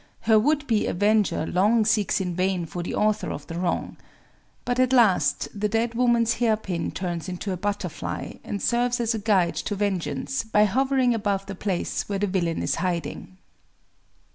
Her would be avenger long seeks in vain for the author of the wrong. But at last the dead woman's hairpin turns into a butterfly, and serves as a guide to vengeance by hovering above the place where the villain is hiding.